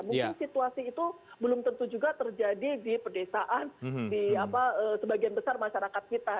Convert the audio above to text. mungkin situasi itu belum tentu juga terjadi di pedesaan di sebagian besar masyarakat kita